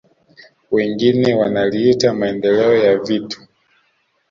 Wengine wanaliita maendeleo ya vitu